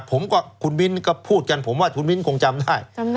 ผมกับคุณมิ้นก็พูดกันผมว่าคุณมิ้นคงจำได้